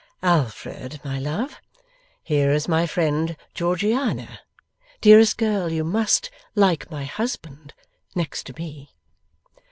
'Alfred, my love, here is my friend. Georgiana, dearest girl, you must like my husband next to me.